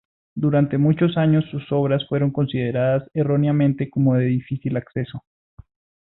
Durante muchos años sus obras fueron consideradas erróneamente como de difícil acceso.